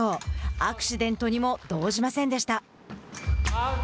アクシデントにも動じませんでした。